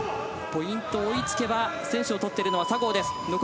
ポイント追いつけば、先取を取っているのは佐合です。